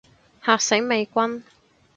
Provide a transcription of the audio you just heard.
嚇死美軍